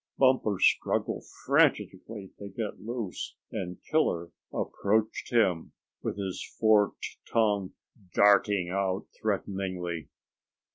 Bumper struggled frantically to get loose, and Killer approached him, with his forked tongue darting out threateningly.